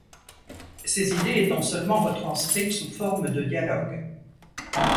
Ses idées étant seulement retranscrites sous forme de dialogues.